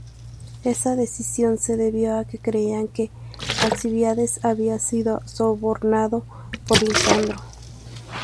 Esa decisión se debió a que creían que Alcibíades había sido sobornado por Lisandro.